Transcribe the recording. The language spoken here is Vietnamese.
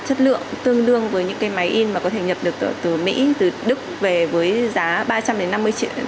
chất lượng tương đương với những cái máy in mà có thể nhập được từ mỹ từ đức về với giá ba trăm linh đến năm mươi triệu